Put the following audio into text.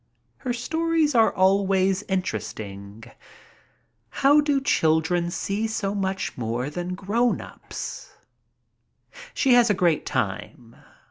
Her stories are always interesting. How do children see so much more than grown ups? She has a great time.